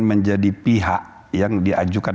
menjadi pihak yang diajukan